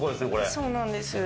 そうなんです。